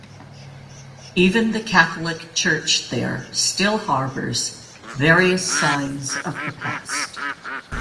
Even the Catholic Church there still harbours various signs of the past.